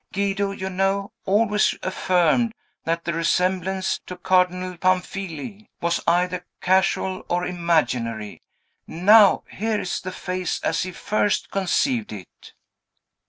Guido, you know, always affirmed that the resemblance to Cardinal Pamfili was either casual or imaginary. Now, here is the face as he first conceived it."